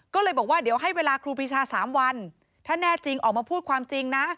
ก็เลยบอกว่าเดี๋ยวให้เวลาครูปีชา๓วันถ้าแน่จริงออกมาพูดความจริงนะ